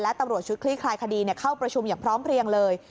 และตำรวจชุดคลี่คลายคดีเข้าประชุมอย่างพร้อมเพลียงเลย